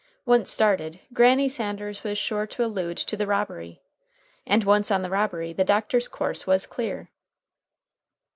Once started, Granny Sanders was sure to allude to the robbery. And once on the robbery the doctor's course was clear.